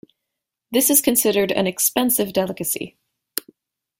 This is considered an expensive delicacy.